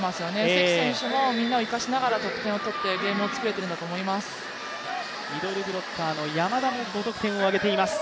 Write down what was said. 関選手もみんなを生かしながら得点を取ってゲームを作れているんだと思います。